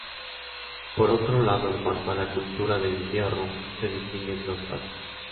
Por otro lado, en cuanto a la cultura del hierro, se distinguen dos fases.